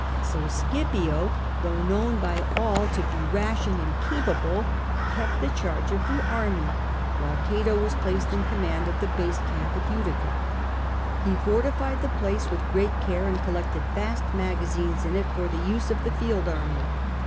So Scipio, though known by all to be rash and incapable, kept the charge of the army, while Cato was placed in command of the base camp at Utica. He fortified the place with great care, and collected vast magazines in it for the use of the field army.